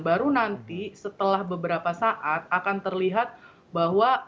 baru nanti setelah beberapa saat akan terlihat bahwa